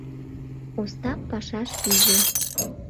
Остап пашаш пиже.